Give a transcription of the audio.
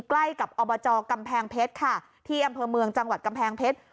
ใกล้กับอบจกำแพงเพชรค่ะที่อำเภอเมืองจังหวัดกำแพงเพชร